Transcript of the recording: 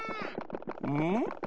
うん？